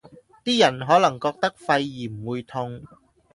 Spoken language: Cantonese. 啲人可能覺得肺炎會痛